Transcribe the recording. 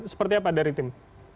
seperti apa dari tim